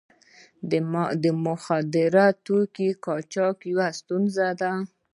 د مخدره توکو قاچاق یوه ستونزه ده.